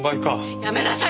やめなさい！